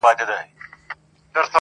ډاکټره خاص ده ګنې وه ازله ،